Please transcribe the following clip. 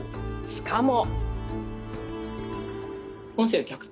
しかも。